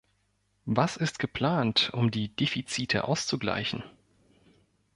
Was ist geplant, um die Defizite auszugleichen?